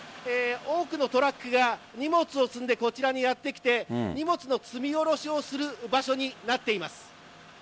多くのトラックが荷物を積んでこちらにやってきて荷物の積み下ろしをする場所になっています。